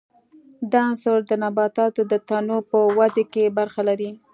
دا عنصر د نباتاتو د تنو په ودې کې برخه لري.